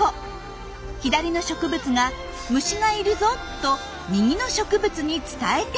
左の植物が「虫がいるぞ！」と右の植物に伝えていたんです。